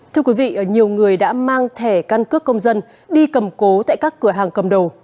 thưa quý vị nhiều người đã mang thẻ căn cước công dân đi cầm cố tại các cửa hàng cầm đồ